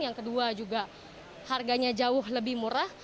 yang kedua juga harganya jauh lebih murah